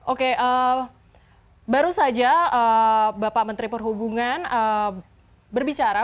oke baru saja bapak menteri perhubungan berbicara